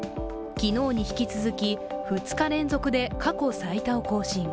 昨日に引き続き、２日連続で過去最多を更新。